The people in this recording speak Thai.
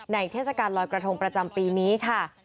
เทศกาลลอยกระทงประจำปีนี้ค่ะ